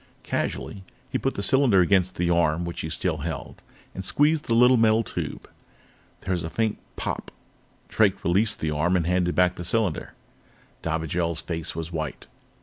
Casually, he put the cylinder against the arm which he still held and squeezed the little metal tube. There was a faint pop! Drake released the arm and handed back the cylinder. Dobigel's face was white.